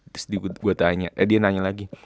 terus gue tanya eh dia nanya lagi